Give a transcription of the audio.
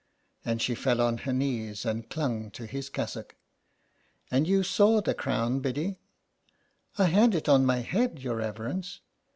And she fell on her knees and clung to his cassock. " And you saw the crown, Biddy? "" I had it on my head, your reverence."